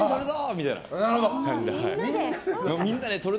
みたいな感じで。